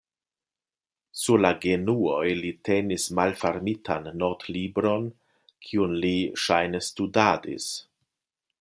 Sur la genuoj li tenis malfermitan notlibron, kiun li ŝajne studadis.